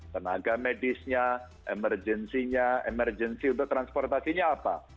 tenaga medisnya emergensinya emergency untuk transportasinya apa